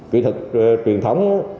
kỹ thực truyền thống